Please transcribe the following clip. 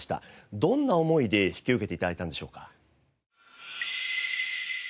どんな思いで引き受けて頂いたんでしょうか？